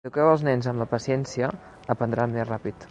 Si eduqueu els nens amb la paciència, aprendran més ràpid.